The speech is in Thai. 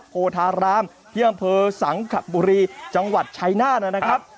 โภธารามเที่ยวเผอร์สังขบุรีจังหวัดชัยหน้านะครับ